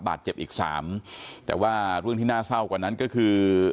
บาดเจ็บอีกสามแต่ว่าเรื่องที่น่าเศร้ากว่านั้นก็คือ